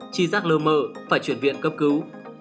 chi giác lơ mơ phải chuyển viện cấp cứu